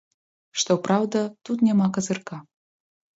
Што праўда, тут няма казырка.